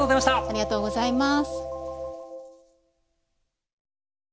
ありがとうございます。